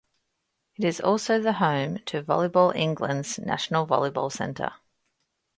It is also the home to Volleyball England's National Volleyball Centre.